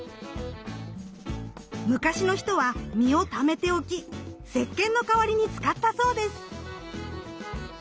昔の人は実をためておきせっけんの代わりに使ったそうです。